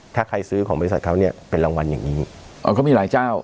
ถ้าใครซื้อของบริษัทเขาเนี่ยเป็นรางวัลอย่างงี้อ๋อเขามีหลายเจ้า